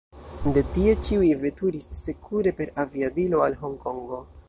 De tie ĉiuj veturis sekure per aviadilo al Honkongo.